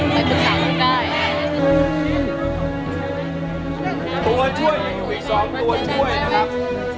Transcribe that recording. ตัวช่วยยังอยู่อีกสองตัวช่วยนะครับ